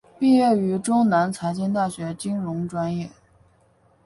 毕业于中南财经大学金融专业。